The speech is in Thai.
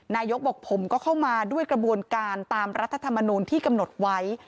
นายกบอกผมก็เข้ามาด้วยกระบวนการตามรัฐธรรมนูลที่กำหนดไว้